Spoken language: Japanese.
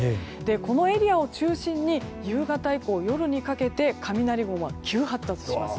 このエリアを中心に夕方以降、夜にかけて雷雲が急発達します。